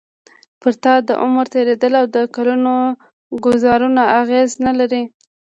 پر تا د عمر تېرېدل او د کلونو ګوزارونه اغېز نه لري.